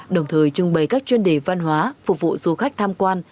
đồng thời trưng bày các chuyên đề văn hóa phục vụ du khách tham quan